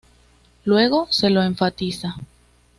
Luego se lo enfatiza.